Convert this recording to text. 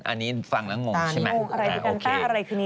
อันนี้ฟังแล้วงงใช่ไหม